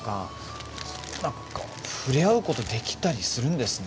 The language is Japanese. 何か触れ合うことできたりするんですね。